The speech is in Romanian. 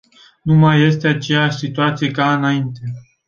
Nu mai este aceeași situație ca înainte.